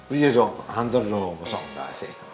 iya dong hantar dong masuk kasih